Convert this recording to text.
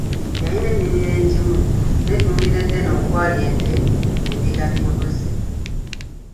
Yalina ennimiro engimu n'eddundiro eddene okwali ente, endiga n'embuzi.